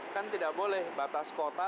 kan tidak boleh batas kota